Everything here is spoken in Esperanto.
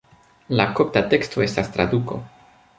La kopta teksto estas traduko.